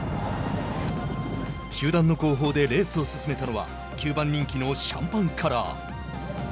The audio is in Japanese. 集団の後方でレースを進めたのは９番人気のシャンパンカラー。